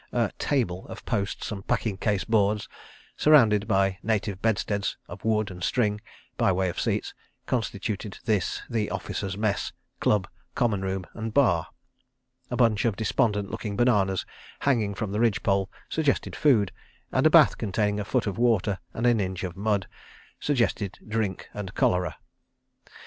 A "table" of posts and packing case boards, surrounded by native bedsteads of wood and string—by way of seats—constituted this, the Officers' Mess, Club, Common Room and Bar. A bunch of despondent looking bananas hanging from the ridge pole suggested food, and a bath containing a foot of water and an inch of mud suggested drink and cholera.